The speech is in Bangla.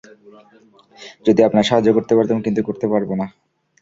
যদি আপনার সাহায্য করতে পারতাম, কিন্তু করতে পারব না।